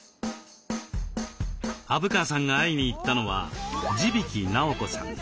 虻川さんが会いに行ったのは地曳直子さん。